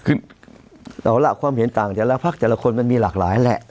คือเอาล่ะความเห็นต่างแต่ละพักแต่ละคนมันมีหลากหลายแหละ